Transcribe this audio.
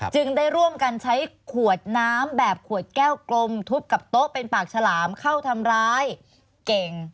จึงได้ร่วมกันใช้ขวดน้ำแบบขวดแก้วกลมทุบกับโต๊ะเป็นปากฉลามเข้าทำร้ายเก่ง